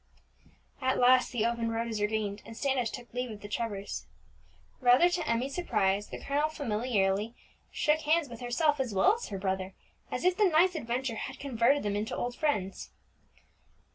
At last the open road was regained, and Standish took leave of the Trevors. Rather to Emmie's surprise, the colonel familiarly shook hands with herself as well as her brother, as if the night's adventure had converted them into old friends.